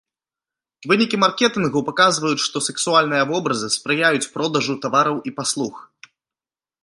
Вынікі маркетынгу паказваюць, што сексуальныя вобразы спрыяюць продажу тавараў і паслуг.